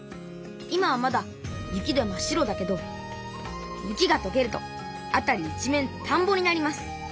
今はまだ雪で真っ白だけど雪がとけると辺り一面たんぼになります。